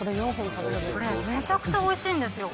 これ、めちゃくちゃおいしいんですよ。